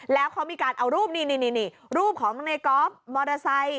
แล้วเขามีการเอารูปนี่รูปของในกอล์ฟมอเตอร์ไซค์